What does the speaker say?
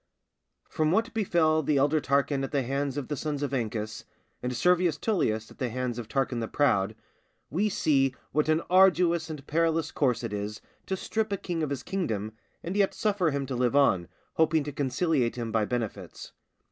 _ From what befell the elder Tarquin at the hands of the sons of Ancus, and Servius Tullius at the hands of Tarquin the Proud, we see what an arduous and perilous course it is to strip a king of his kingdom and yet suffer him to live on, hoping to conciliate him by benefits.